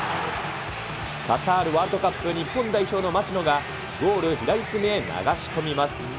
カタールワールドカップ日本代表の町野が、ゴール左隅へ流し込みます。